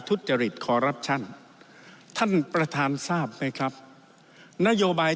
ทุจริตคอรัปชั่นท่านประธานทราบไหมครับนโยบาย